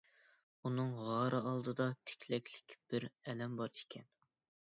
ئۇنىڭ غارى ئالدىدا تىكلەكلىك بىر ئەلەم بار ئىكەن.